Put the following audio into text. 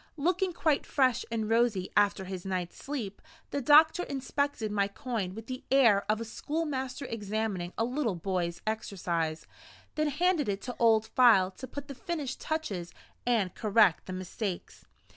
Looking quite fresh and rosy after his night's sleep, the doctor inspected my coin with the air of a schoolmaster examining a little boy's exercise; then handed it to Old File to put the finished touches and correct the mistakes.